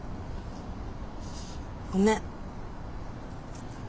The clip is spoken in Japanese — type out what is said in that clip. ごめん。